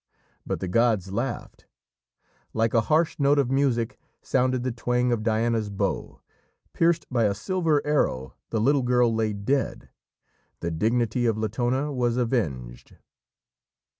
But the gods laughed. Like a harsh note of music sounded the twang of Diana's bow. Pierced by a silver arrow, the little girl lay dead. The dignity of Latona was avenged.